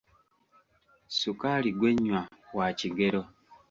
Ssukaali gwe nnywa wa kigero.